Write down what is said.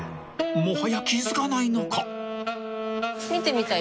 ［もはや気付かないのか］